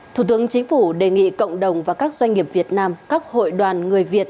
thủ tướng chính phủ đề nghị cộng đồng và các doanh nghiệp việt nam các hội đoàn người việt